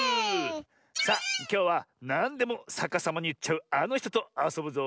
さあきょうはなんでもさかさまにいっちゃうあのひととあそぶぞ！